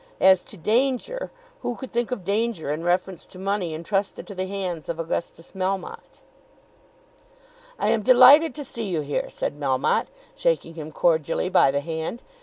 As to danger; who could think of danger in reference to money intrusted to the hands of Augustus Melmotte? "I am delighted to see you here," said Melmotte, shaking him cordially by the hand.